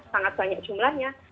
sangat banyak jumlahnya